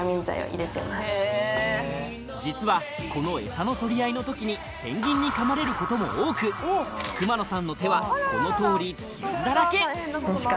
実はこのエサの取り合いの時にペンギンに噛まれることも多く熊野さんの手はこの通り傷だらけも担当